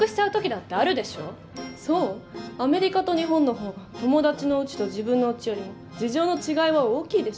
アメリカと日本の方が友達のうちと自分のうちよりも事情の違いは大きいでしょ。